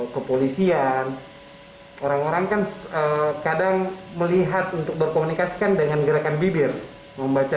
kepolisian orang orang kan kadang melihat untuk berkomunikasi kan dengan gerakan bibir membaca